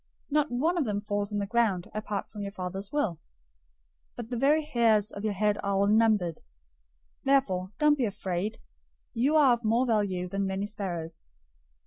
Not one of them falls on the ground apart from your Father's will, 010:030 but the very hairs of your head are all numbered. 010:031 Therefore don't be afraid. You are of more value than many sparrows.